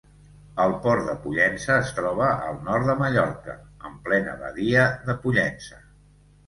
El Port de Pollença es troba al nord de Mallorca, en plena badia de Pollença.